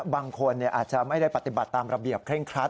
บางคนอาจจะไม่ได้ปฏิบัติตามระเบียบเคร่งครัด